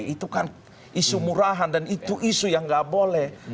itu kan isu murahan dan itu isu yang nggak boleh